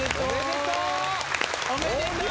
おめでとう！